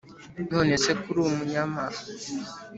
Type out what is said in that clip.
none se ko uri umuhamya wa yehova